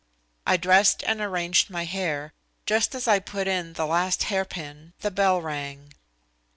I dressed and arranged my hair. Just as I put in the last hairpin the bell rang.